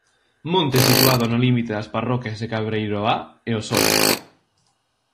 Monte situado no límite das parroquias de Cabreiroá e Osoño.